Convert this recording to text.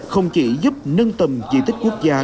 không chỉ giúp nâng tầm di tích quốc gia